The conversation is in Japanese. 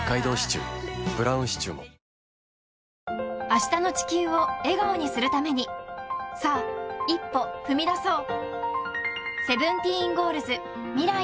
明日の地球を笑顔にするためにさあ一歩踏み出そう